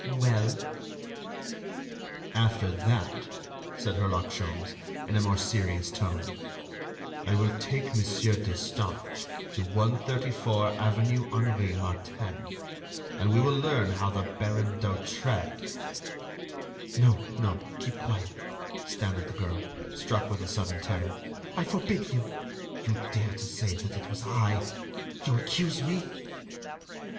"Well?" "After that," said Herlock Sholmes, in a more serious tone, "I will take Monsieur Destange to 134 avenue Henri Martin, and we will learn how the Baron d'Hautrec——" "No, no, keep quiet," stammered the girl, struck with a sudden terror, "I forbid you!... you dare to say that it was I ... you accuse me?..."